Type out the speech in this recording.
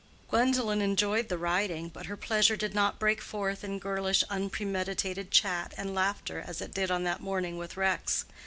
Gwendolen enjoyed the riding, but her pleasure did not break forth in girlish unpremeditated chat and laughter as it did on that morning with Rex.